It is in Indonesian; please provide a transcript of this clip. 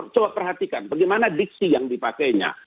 coba perhatikan bagaimana diksi yang dipakainya